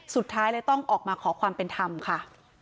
สุดท้ายเลยต้องออกมาขอความเป็นธรรมค่ะ